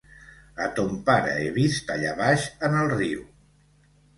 A ton pare he vist allà baix en el riu.